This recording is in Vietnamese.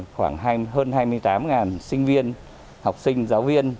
khoảng hơn hai mươi tám sinh viên học sinh giáo viên